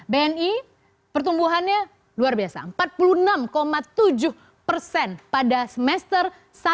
bni pertumbuhannya luar biasa empat puluh enam tujuh persen pada semester satu dua ribu tujuh belas